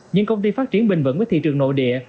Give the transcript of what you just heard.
nhưng công ty phát triển bình vẫn với thị trường nội địa